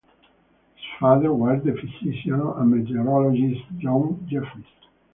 His father was the physician and meteorologist John Jeffries.